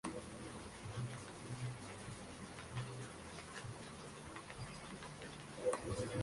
Mendes negó, diciendo: "No, en absoluto.